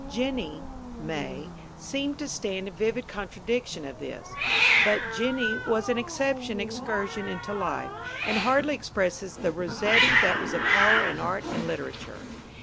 Jenny may, seem to stand in vivid contradiction of this. But Jenny was an exceptional excursion into life, and hardly expresses the Rossetti that was a power in art and literature.